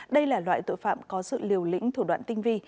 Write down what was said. đây là loại tội phạm có sự liều lĩnh thủ đoạn tinh vi